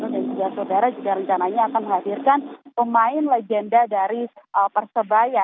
dan juga surabaya juga rencananya akan menghadirkan pemain legenda dari persebaya